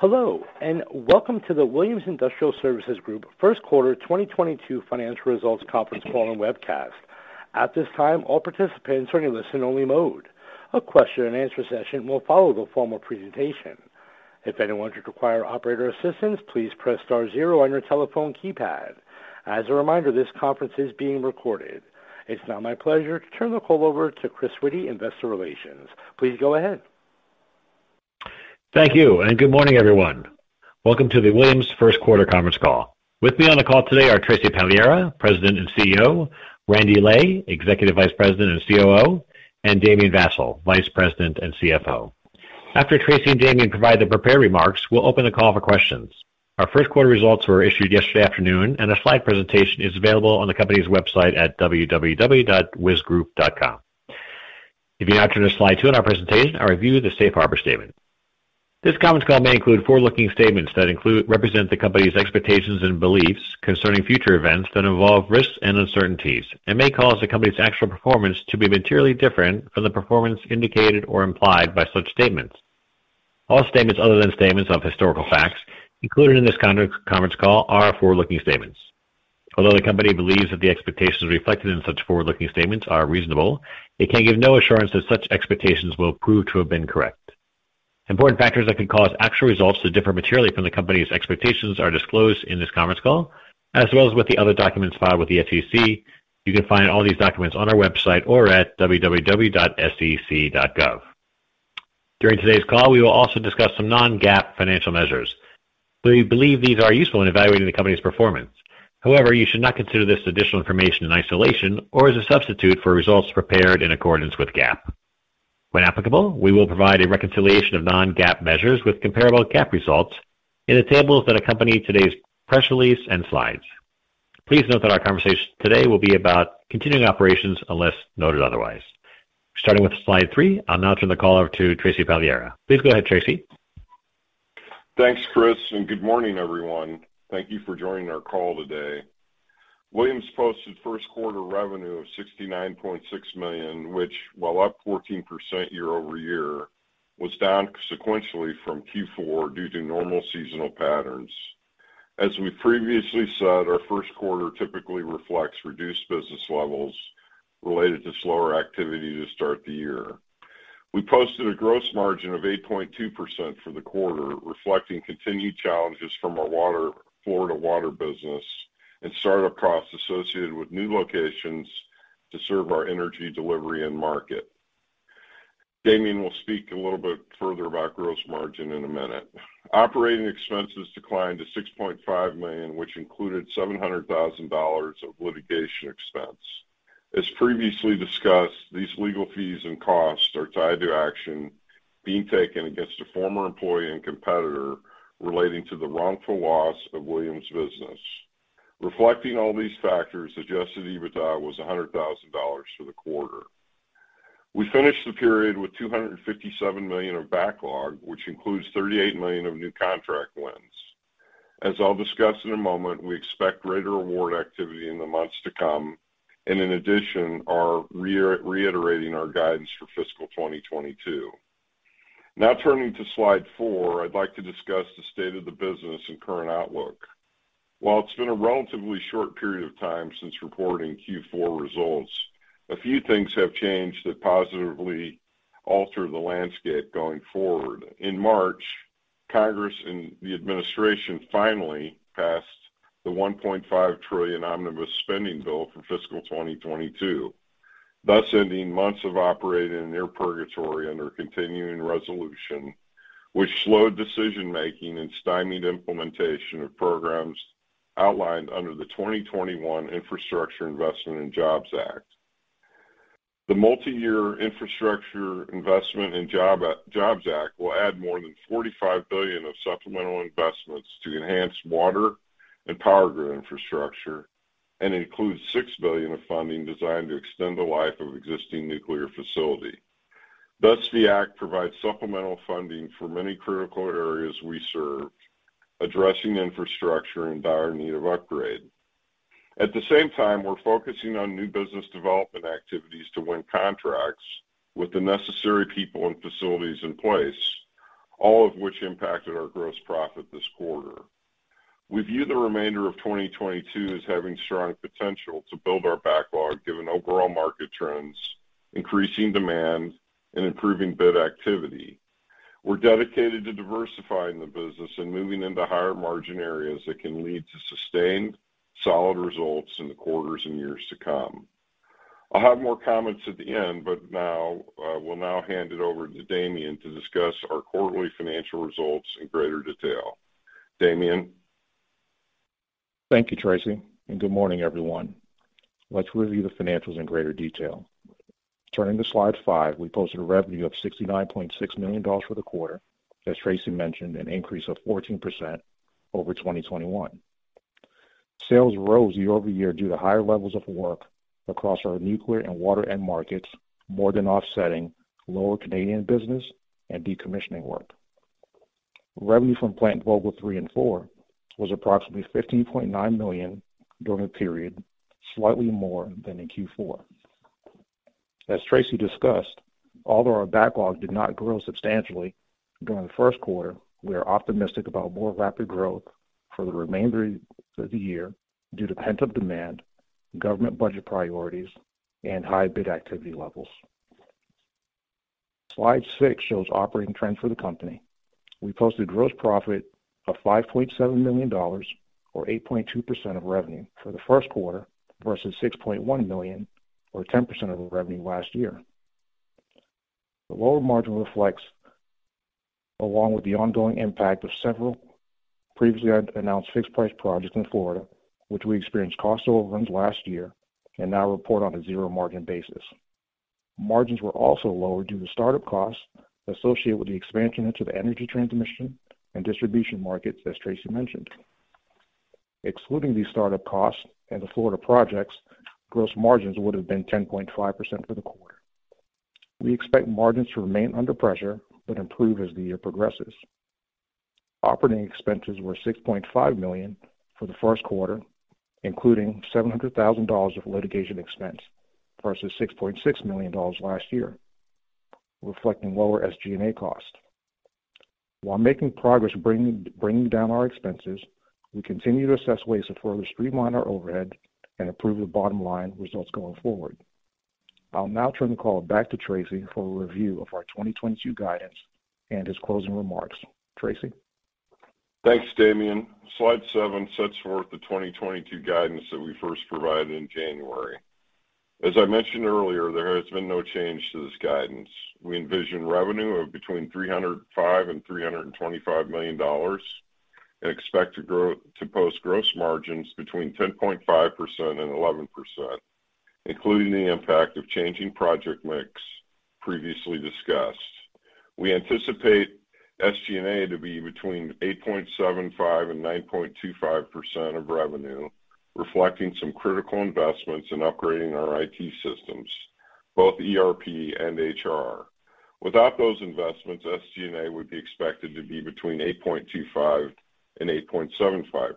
Hello, and welcome to the Williams Industrial Services Group First Quarter 2022 Financial Results Conference Call and Webcast. At this time, all participants are in a listen-only mode. A question-and-answer session will follow the formal presentation. If anyone should require operator assistance, please press star zero on your telephone keypad. As a reminder, this conference is being recorded. It's now my pleasure to turn the call over to Chris Witty, Investor Relations. Please go ahead. Thank you, and good morning, everyone. Welcome to the Williams First Quarter Conference Call. With me on the call today are Tracy Pagliara, President and CEO, Randy Lay, Executive Vice President and COO, and Damien Vassall, Vice President and CFO. After Tracy and Damien provide their prepared remarks, we'll open the call for questions. Our first quarter results were issued yesterday afternoon, and a slide presentation is available on the company's website at www.wisgrp.com. If you now turn to slide two in our presentation, I'll review the safe harbor statement. This conference call may include forward-looking statements that represent the company's expectations and beliefs concerning future events that involve risks and uncertainties and may cause the company's actual performance to be materially different from the performance indicated or implied by such statements. All statements other than statements of historical facts included in this conference call are forward-looking statements. Although the company believes that the expectations reflected in such forward-looking statements are reasonable, it can give no assurance that such expectations will prove to have been correct. Important factors that could cause actual results to differ materially from the company's expectations are disclosed in this conference call as well as with the other documents filed with the SEC. You can find all these documents on our website or at www.sec.gov. During today's call, we will also discuss some non-GAAP financial measures. We believe these are useful in evaluating the company's performance. However, you should not consider this additional information in isolation or as a substitute for results prepared in accordance with GAAP. When applicable, we will provide a reconciliation of non-GAAP measures with comparable GAAP results in the tables that accompany today's press release and slides. Please note that our conversation today will be about continuing operations unless noted otherwise. Starting with slide three, I'll now turn the call over to Tracy Pagliara. Please go ahead, Tracy. Thanks, Chris, and good morning, everyone. Thank you for joining our call today. Williams posted first quarter revenue of $69.6 million, which, while up 14% year-over-year, was down sequentially from Q4 due to normal seasonal patterns. As we previously said, our first quarter typically reflects reduced business levels related to slower activity to start the year. We posted a gross margin of 8.2% for the quarter, reflecting continued challenges from our water, Florida water business and startup costs associated with new locations to serve our energy delivery end market. Damien will speak a little bit further about gross margin in a minute. Operating expenses declined to $6.5 million, which included $700,000 of litigation expense. As previously discussed, these legal fees and costs are tied to action being taken against a former employee and competitor relating to the wrongful loss of Williams' business. Reflecting all these factors, adjusted EBITDA was $100,000 for the quarter. We finished the period with $257 million of backlog, which includes $38 million of new contract wins. As I'll discuss in a moment, we expect greater award activity in the months to come and in addition are reiterating our guidance for fiscal 2022. Now turning to slide four, I'd like to discuss the state of the business and current outlook. While it's been a relatively short period of time since reporting Q4 results, a few things have changed that positively alter the landscape going forward. In March, Congress and the administration finally passed the $1.5 trillion omnibus spending bill for fiscal 2022, thus ending months of operating in near purgatory under continuing resolution, which slowed decision-making and stymied implementation of programs outlined under the 2021 Infrastructure Investment and Jobs Act. The multi-year Infrastructure Investment and Jobs Act will add more than $45 billion of supplemental investments to enhance water and power grid infrastructure and includes $6 billion of funding designed to extend the life of existing nuclear facility. Thus, the act provides supplemental funding for many critical areas we serve, addressing infrastructure in dire need of upgrade. At the same time, we're focusing on new business development activities to win contracts with the necessary people and facilities in place, all of which impacted our gross profit this quarter. We view the remainder of 2022 as having strong potential to build our backlog given overall market trends, increasing demand, and improving bid activity. We're dedicated to diversifying the business and moving into higher margin areas that can lead to sustained solid results in the quarters and years to come. I'll have more comments at the end, but now will hand it over to Damien to discuss our quarterly financial results in greater detail. Damien? Thank you, Tracy, and good morning, everyone. Let's review the financials in greater detail. Turning to slide five, we posted a revenue of $69.6 million for the quarter. As Tracy mentioned, an increase of 14% over 2021. Sales rose year-over-year due to higher levels of work across our nuclear and water end markets, more than offsetting lower Canadian business and decommissioning work. Revenue from Plant Vogtle 3 and 4 was approximately $15.9 million during the period, slightly more than in Q4. As Tracy discussed, although our backlog did not grow substantially during the first quarter, we are optimistic about more rapid growth for the remainder of the year due to pent-up demand, government budget priorities, and high bid activity levels. Slide six shows operating trends for the company. We posted gross profit of $5.7 million or 8.2% of revenue for the first quarter versus $6.1 million or 10% of the revenue last year. The lower margin reflects, along with the ongoing impact of several previously announced fixed-price projects in Florida, which we experienced cost overruns last year and now report on a zero margin basis. Margins were also lower due to start-up costs associated with the expansion into the energy transmission and distribution markets, as Tracy mentioned. Excluding these start-up costs and the Florida projects, gross margins would have been 10.5% for the quarter. We expect margins to remain under pressure but improve as the year progresses. Operating expenses were $6.5 million for the first quarter, including $700,000 of litigation expense versus $6.6 million last year, reflecting lower SG&A costs. While making progress bringing down our expenses, we continue to assess ways to further streamline our overhead and improve the bottom line results going forward. I'll now turn the call back to Tracy for a review of our 2022 guidance and his closing remarks. Tracy? Thanks, Damien. Slide seven sets forth the 2022 guidance that we first provided in January. As I mentioned earlier, there has been no change to this guidance. We envision revenue of between $305 million and $325 million and expect to post gross margins between 10.5% and 11%, including the impact of changing project mix previously discussed. We anticipate SG&A to be between 8.75% and 9.25% of revenue, reflecting some critical investments in upgrading our IT systems, both ERP and HR. Without those investments, SG&A would be expected to be between 8.25% and 8.75%.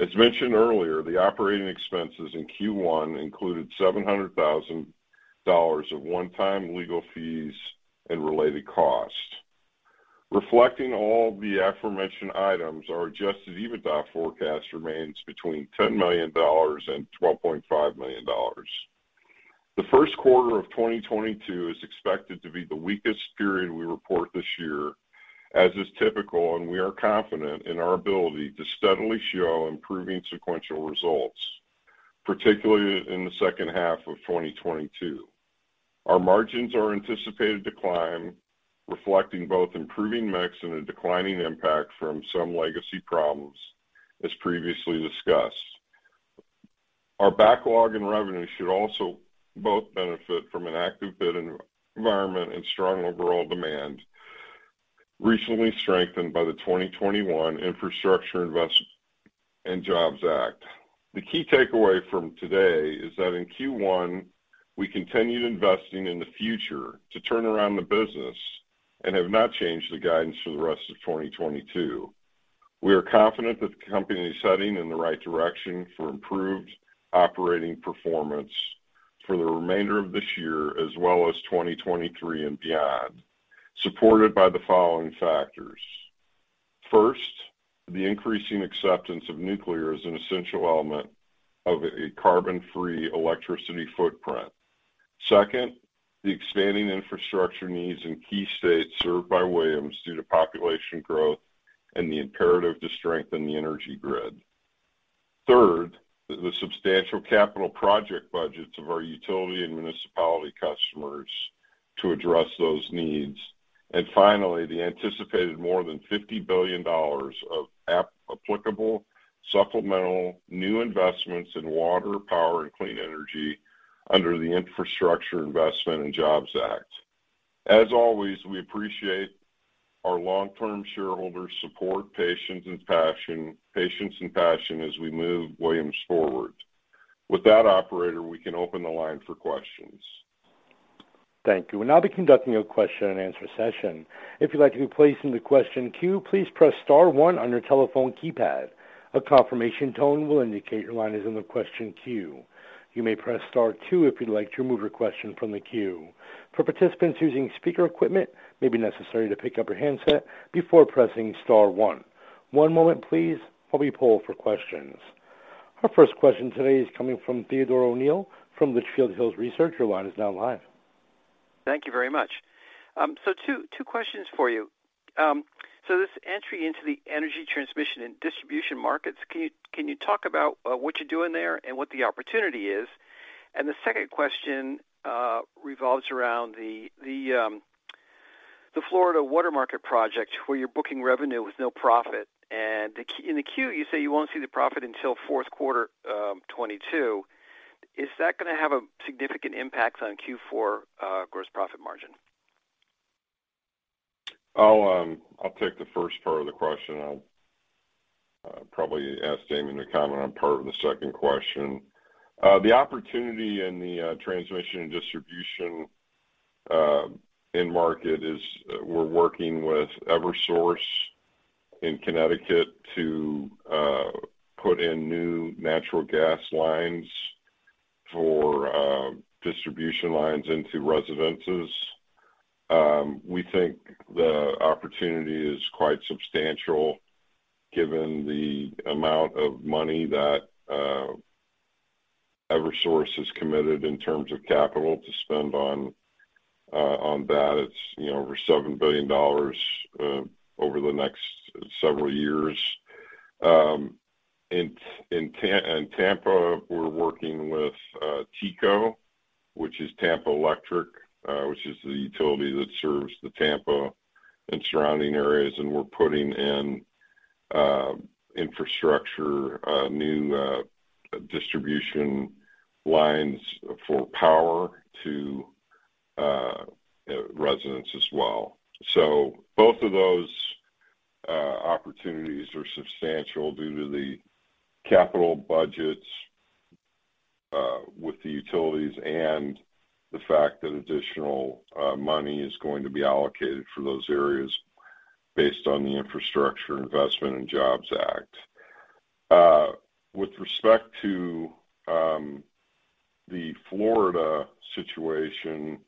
As mentioned earlier, the operating expenses in Q1 included $700,000 of one-time legal fees and related costs. Reflecting all the aforementioned items, our adjusted EBITDA forecast remains between $10 million and $12.5 million. The first quarter of 2022 is expected to be the weakest period we report this year, as is typical, and we are confident in our ability to steadily show improving sequential results, particularly in the second half of 2022. Our margins are anticipated to climb, reflecting both improving mix and a declining impact from some legacy problems, as previously discussed. Our backlog and revenue should also both benefit from an active bid environment and strong overall demand, recently strengthened by the 2021 Infrastructure Investment and Jobs Act. The key takeaway from today is that in Q1, we continued investing in the future to turn around the business and have not changed the guidance for the rest of 2022. We are confident that the company is heading in the right direction for improved operating performance for the remainder of this year as well as 2023 and beyond, supported by the following factors. First, the increasing acceptance of nuclear as an essential element of a carbon-free electricity footprint. Second, the expanding infrastructure needs in key states served by Williams due to population growth and the imperative to strengthen the energy grid. Third, the substantial capital project budgets of our utility and municipality customers to address those needs. Finally, the anticipated more than $50 billion of applicable supplemental new investments in water, power, and clean energy under the Infrastructure Investment and Jobs Act. As always, we appreciate our long-term shareholders' support, patience, and passion as we move Williams forward. With that, operator, we can open the line for questions. Thank you. We'll now be conducting a question and answer session. If you'd like to be placed in the question queue, please press star one on your telephone keypad. A confirmation tone will indicate your line is in the question queue. You may press star two if you'd like to remove your question from the queue. For participants using speaker equipment, it may be necessary to pick up your handset before pressing star one. One moment please while we poll for questions. Our first question today is coming from Theodore O'Neill from Litchfield Hills Research. Your line is now live. Thank you very much. Two questions for you. This entry into the energy transmission and distribution markets, can you talk about what you're doing there and what the opportunity is? The second question revolves around the Florida water market project where you're booking revenue with no profit. In the 10-Q, you say you won't see the profit until fourth quarter 2022. Is that gonna have a significant impact on Q4 gross profit margin? I'll take the first part of the question. I'll probably ask Damien to comment on part of the second question. The opportunity in the transmission and distribution end market is we're working with Eversource in Connecticut to put in new natural gas lines for distribution lines into residences. We think the opportunity is quite substantial given the amount of money that Eversource has committed in terms of capital to spend on that. It's over $7 billion over the next several years. In Tampa, we're working with TECO, which is Tampa Electric, which is the utility that serves the Tampa and surrounding areas. We're putting in infrastructure new distribution lines for power to residents as well. Both of those opportunities are substantial due to the capital budgets with the utilities and the fact that additional money is going to be allocated for those areas based on the Infrastructure Investment and Jobs Act. With respect to the Florida situation,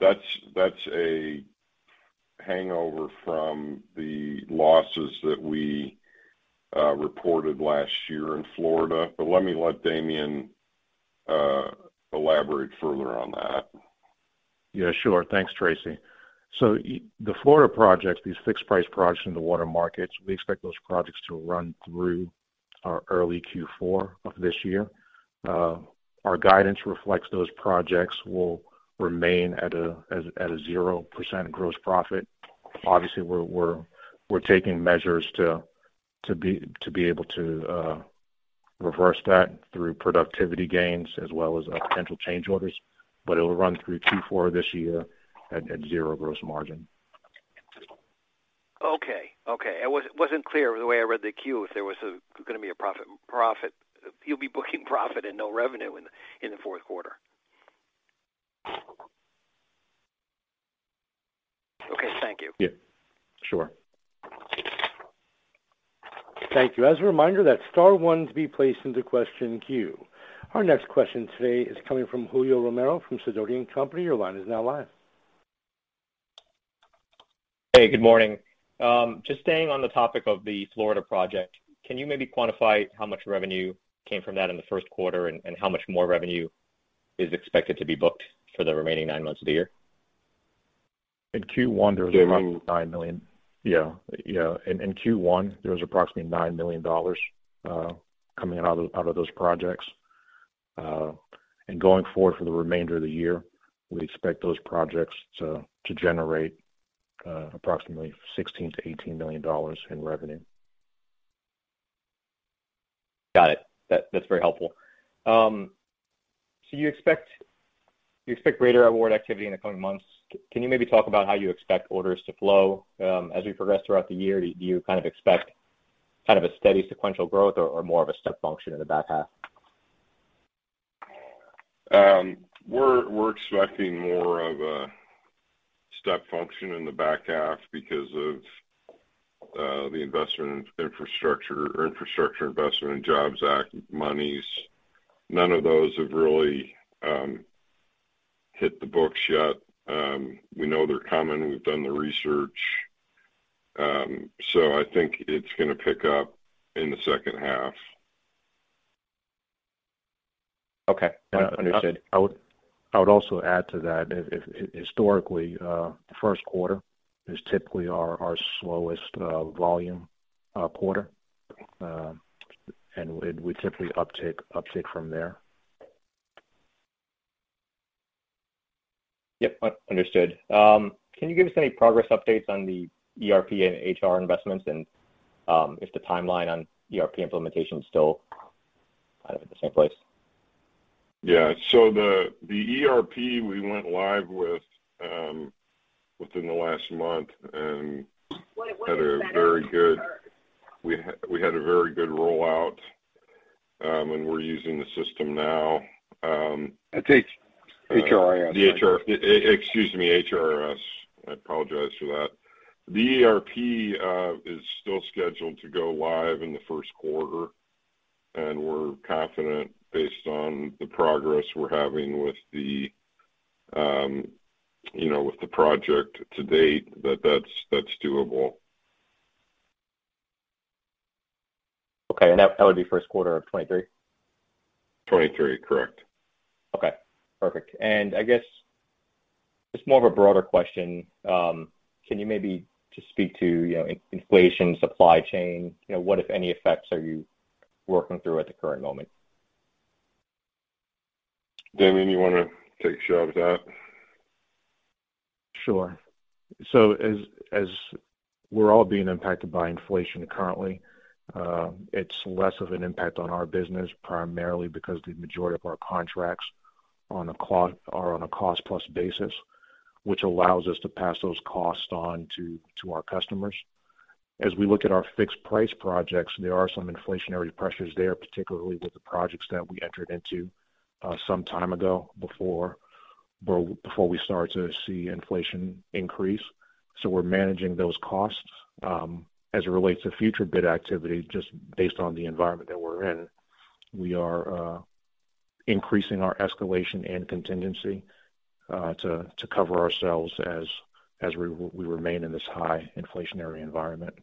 that's a hangover from the losses that we reported last year in Florida. Let me Damien elaborate further on that. Yeah, sure. Thanks, Tracy. The Florida projects, these fixed price projects in the water markets, we expect those projects to run through our early Q4 of this year. Our guidance reflects those projects will remain at a 0% gross profit. Obviously, we're taking measures to be able to reverse that through productivity gains as well as potential change orders, but it will run through Q4 this year at 0% gross margin. Okay. It wasn't clear the way I read the queue if there was gonna be a profit. You'll be booking profit and no revenue in the fourth quarter. Okay. Thank you. Yeah. Sure. Thank you. As a reminder, that's star one to be placed into question queue. Our next question today is coming from Julio Romero from Sidoti & Company. Your line is now live. Hey, good morning. Just staying on the topic of the Florida project, can you maybe quantify how much revenue came from that in the first quarter and how much more revenue is expected to be booked for the remaining nine months of the year? In Q1, there was approximately $9 million. Damien. Yeah. In Q1, there was approximately $9 million coming out of those projects. Going forward for the remainder of the year, we expect those projects to generate approximately $16 million-$18 million in revenue. Got it. That's very helpful. So you expect greater award activity in the coming months. Can you maybe talk about how you expect orders to flow as we progress throughout the year? Do you kind of expect a steady sequential growth or more of a step function in the back half? We're expecting more of a step function in the back half because of the investment in infrastructure or Infrastructure Investment and Jobs Act monies. None of those have really hit the books yet. We know they're coming. We've done the research. I think it's gonna pick up in the second half. Okay. Understood. I would also add to that, historically, first quarter is typically our slowest volume quarter. Typically uptick from there. Understood. Can you give us any progress updates on the ERP and HR investments and if the timeline on ERP implementation is still kind of at the same place? Yeah. The ERP we went live with within the last month and we had a very good rollout, and we're using the system now. It's HRIS. Excuse me, HRIS. I apologize for that. The ERP is still scheduled to go live in the first quarter, and we're confident based on the progress we're having with the project to date that that's doable. Okay. That would be first quarter of 2023? 2023, correct. Okay. Perfect. I guess just more of a broader question, can you maybe just speak to, you know, inflation, supply chain, you know, what, if any, effects are you working through at the current moment? Damien, you wanna take a shot at that? Sure. As we're all being impacted by inflation currently, it's less of an impact on our business, primarily because the majority of our contracts are on a cost plus basis, which allows us to pass those costs on to our customers. As we look at our fixed price projects, there are some inflationary pressures there, particularly with the projects that we entered into some time ago before we start to see inflation increase. We're managing those costs. As it relates to future bid activity, just based on the environment that we're in, we are increasing our escalation and contingency to cover ourselves as we remain in this high inflationary environment.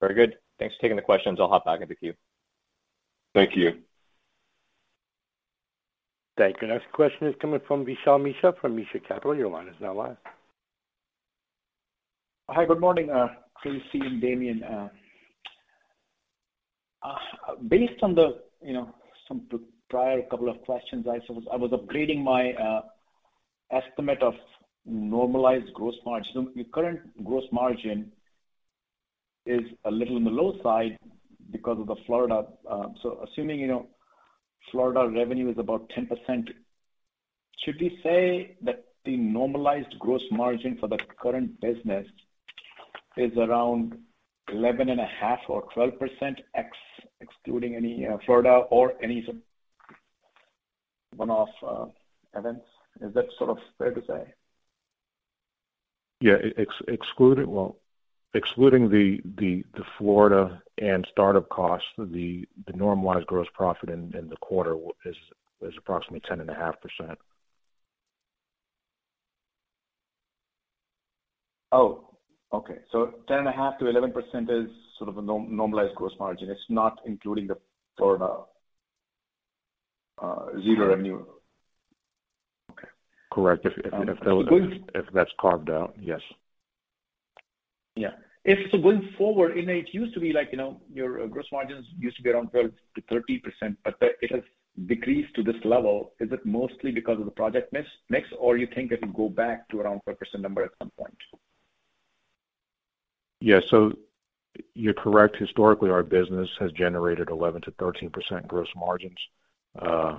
Very good. Thanks for taking the questions. I'll hop back in the queue. Thank you. Thank you. Next question is coming from Vishal Mishra from Mishra Capital. Your line is now live. Hi, good morning, Tracy and Damien. Based on the, you know, some prior couple of questions, I was upgrading my estimate of normalized gross margin. The current gross margin is a little on the low side because of the Florida. Assuming, you know, Florida revenue is about 10%, should we say that the normalized gross margin for the current business is around 11.5% or 12% excluding any Florida or any one-off events? Is that sort of fair to say? Well, excluding the Florida and start-up costs, the normalized gross profit in the quarter is approximately 10.5%. Oh, okay. 10.5%-11% is sort of a normalized gross margin. It's not including the Florida zero revenue. Okay. Correct. If that's carved out, yes. Yeah. If so going forward, you know, it used to be like, you know, your gross margins used to be around 12%-13%, but it has decreased to this level. Is it mostly because of the project mix or you think it will go back to around 4% number at some point? Yeah. You're correct. Historically, our business has generated 11%-13% gross margins. Yeah.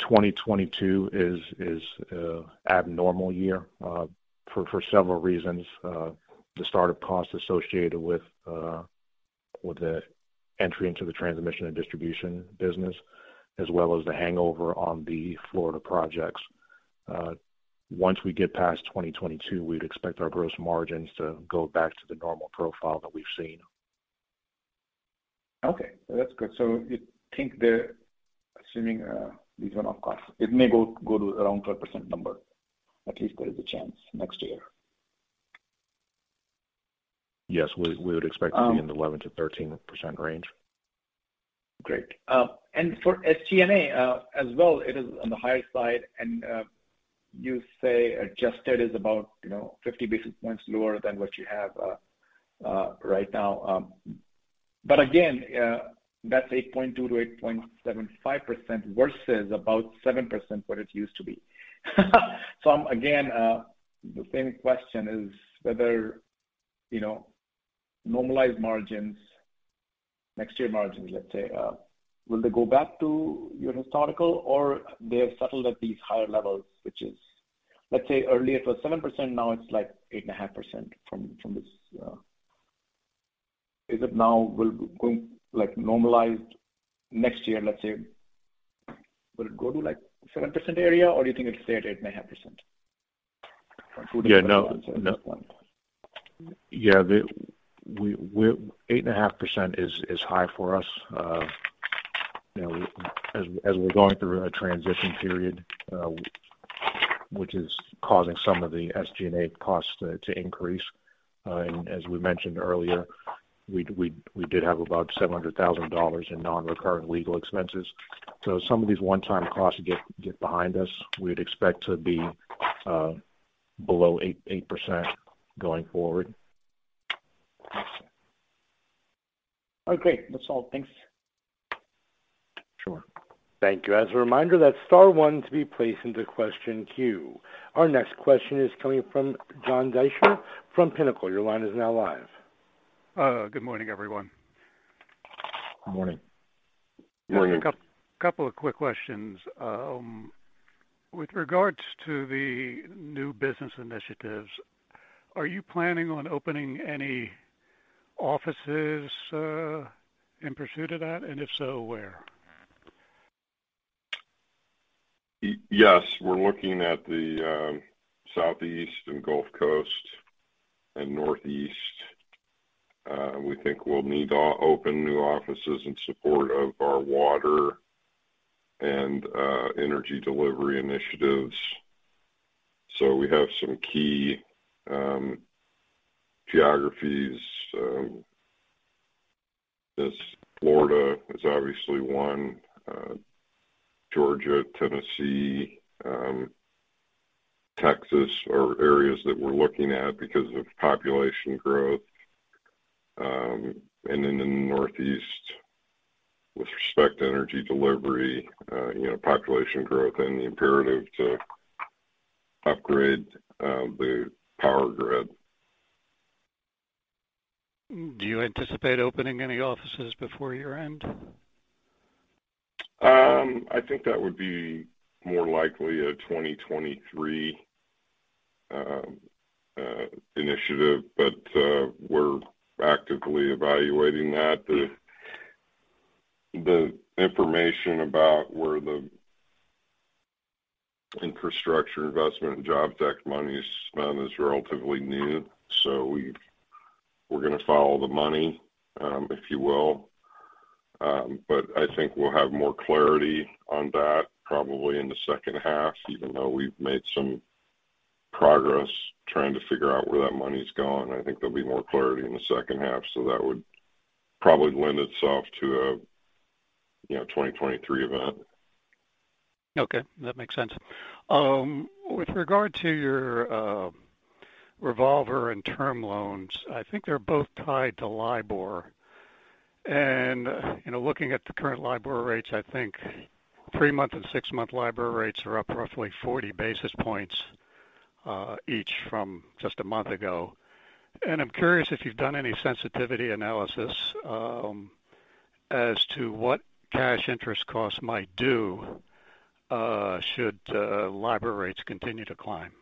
2022 is a abnormal year for several reasons. The start-up costs associated with the entry into the transmission and distribution business as well as the hangover on the Florida projects. Once we get past 2022, we'd expect our gross margins to go back to the normal profile that we've seen. Okay, that's good. You think they're assuming these one-off costs, it may go to around 4% number. At least there is a chance next year. Yes. We would expect to be in the 11%-13% range. Great. For SG&A, as well, it is on the higher side. You say adjusted is about, you know, 50 basis points lower than what you have right now. That's 8.2%-8.75% versus about 7% what it used to be. Again, the same question is whether, you know, normalized margins, next year margins, let's say, will they go back to your historical or they have settled at these higher levels, which is, let's say earlier it was 7%, now it's like 8.5% from this. Is it? Now will it go like normalized next year, let's say, will it go to like 7% area or do you think it's stayed 8.5%? 8.5% is high for us, you know, as we're going through a transition period, which is causing some of the SG&A costs to increase. As we mentioned earlier, we did have about $700,000 in non-recurring legal expenses. Some of these one-time costs get behind us. We'd expect to be below 8% going forward. Okay. That's all. Thanks. Sure. Thank you. As a reminder, that's star one to be placed into question queue. Our next question is coming from John Deysher from Pinnacle. Your line is now live. Good morning, everyone. Morning. Just a couple of quick questions. With regards to the new business initiatives, are you planning on opening any offices in pursuit of that? If so, where? Yes, we're looking at the Southeast and Gulf Coast and Northeast. We think we'll need to open new offices in support of our water and energy delivery initiatives. We have some key geographies, as Florida is obviously one, Georgia, Tennessee, Texas are areas that we're looking at because of population growth. In the Northeast with respect to energy delivery, you know, population growth and the imperative to upgrade the power grid. Do you anticipate opening any offices before year-end? I think that would be more likely a 2023. Initiative, but we're actively evaluating that. The information about where the Infrastructure Investment and Jobs Act money is spent is relatively new. We're gonna follow the money, if you will. But I think we'll have more clarity on that probably in the second half, even though we've made some progress trying to figure out where that money's going. I think there'll be more clarity in the second half. That would probably lend itself to a, you know, 2023 event. Okay, that makes sense. With regard to your revolver and term loans, I think they're both tied to LIBOR. You know, looking at the current LIBOR rates, I think three-month and six-month LIBOR rates are up roughly 40 basis points each from just a month ago. I'm curious if you've done any sensitivity analysis as to what cash interest costs might do should LIBOR rates continue to climb?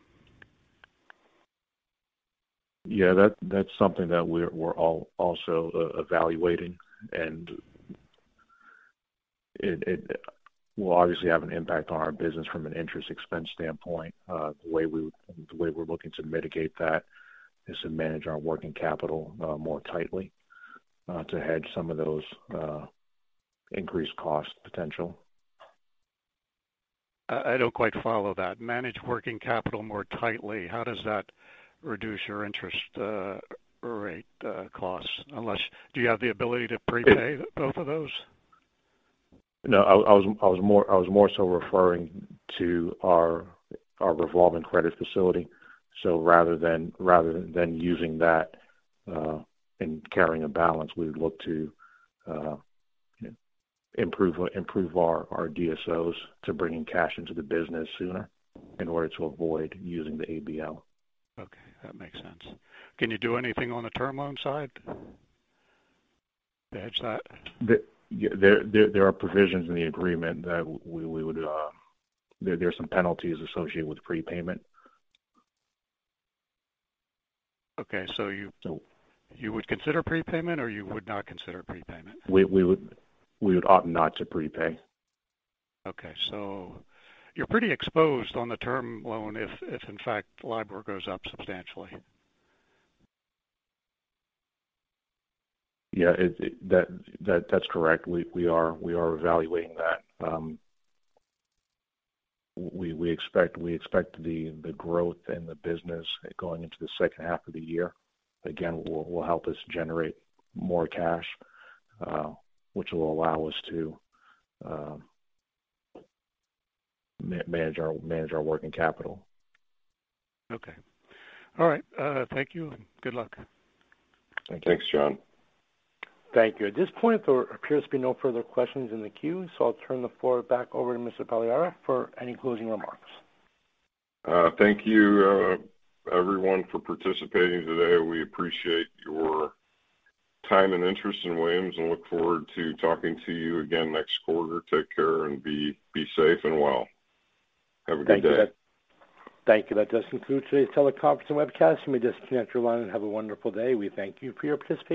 Yeah, that's something that we're also evaluating, and it will obviously have an impact on our business from an interest expense standpoint. The way we're looking to mitigate that is to manage our working capital more tightly to hedge some of those increased costs potential. I don't quite follow that. Manage working capital more tightly, how does that reduce your interest rate costs? Unless. Do you have the ability to prepay both of those? No, I was more so referring to our revolving credit facility. Rather than using that and carrying a balance, we would look to improve our DSOs to bring in cash into the business sooner in order to avoid using the ABL. Okay, that makes sense. Can you do anything on the term loan side to hedge that? There are provisions in the agreement that we would, there are some penalties associated with prepayment. Okay. You- So- You would consider prepayment or you would not consider prepayment? We would opt not to prepay. Okay. You're pretty exposed on the term loan if in fact, LIBOR goes up substantially. Yeah, that's correct. We are evaluating that. We expect the growth in the business going into the second half of the year again will help us generate more cash, which will allow us to manage our working capital. Okay. All right. Thank you, and good luck. Thank you. Thanks, John. Thank you. At this point, there appears to be no further questions in the queue, so I'll turn the floor back over to Mr. Pagliara for any closing remarks. Thank you, everyone for participating today. We appreciate your time and interest in Williams and look forward to talking to you again next quarter. Take care and be safe and well. Have a good day. Thank you. That does conclude today's teleconference and webcast. You may disconnect your line and have a wonderful day. We thank you for your participation.